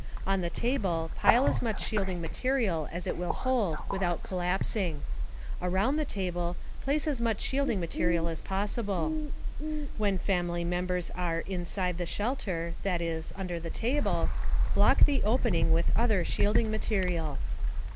On the table, pile as much shielding material as it will hold without collapsing. Around the table, place as much shielding material as possible. When family members are "inside the shelter" that is, under the table block the opening with other shielding material.